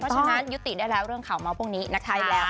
เพราะฉะนั้นยุติได้แล้วเรื่องข่าวเมาส์พวกนี้นะคะ